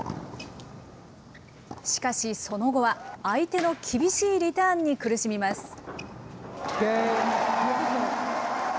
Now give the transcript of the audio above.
しかしその後は、相手の厳しいリターンに苦しみます。